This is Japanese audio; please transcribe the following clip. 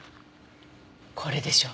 これでしょ？